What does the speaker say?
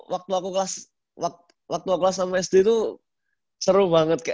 waktu aku kelas sama sd itu seru banget